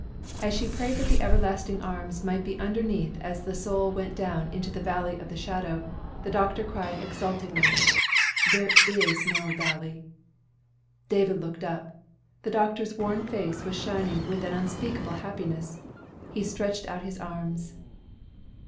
As she prayed that the Everlasting Arms might be underneath as this soul went down into the "valley of the shadow," the doctor cried out exultingly, "There is no valley!" David looked up. The doctor's worn face was shining with an unspeakable happiness. He stretched out his arms.